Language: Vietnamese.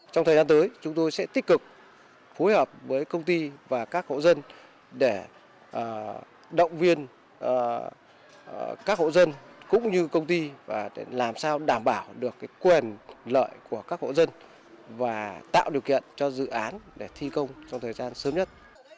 trong thời gian tới chúng tôi sẽ tích cực phối hợp với công ty và các hộ dân để động viên các hộ dân cũng như công ty và làm sao đảm bảo được quyền lợi của các hộ dân và tạo điều kiện cho dự án để thi công trong thời gian sớm nhất